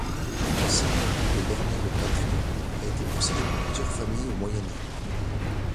La seigneurie de Bernières-le-Patry a été possédée par plusieurs familles au Moyen Âge.